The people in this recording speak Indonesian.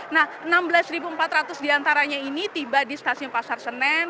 nah enam belas empat ratus diantaranya ini tiba di stasiun pasar senen